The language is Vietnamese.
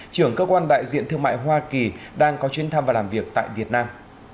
trưởng cơ quan đại diện thương mại hoa kỳ đang có chuyến thăm và làm việc tại việt nam